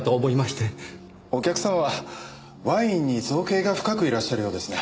お客様はワインに造詣が深くいらっしゃるようですね。